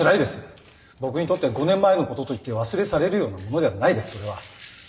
僕にとって５年前のことと言って忘れ去れるようなものではないですそれは。